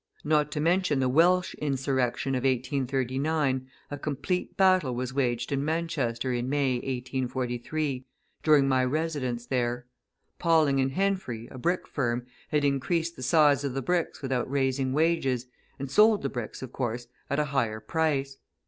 Not to mention the Welsh insurrection of 1839, a complete battle was waged in Manchester in May, 1843, during my residence there. Pauling & Henfrey, a brick firm, had increased the size of the bricks without raising wages, and sold the bricks, of course, at a higher price.